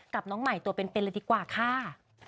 กับน้องใหม่ตัวเป็นเป็นอะไรดีกว่าค่ะ